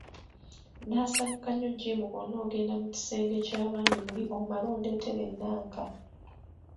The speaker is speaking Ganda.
Nnaasanyuka nnyo Jim bw'onoogenda mu kisenge ky'abaami muli omala ondeetera ennanka.